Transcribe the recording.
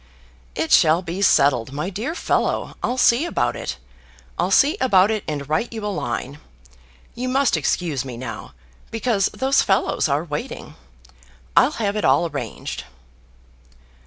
"It shall be settled, my dear fellow. I'll see about it. I'll see about it and write you a line. You must excuse me now, because those fellows are waiting. I'll have it all arranged."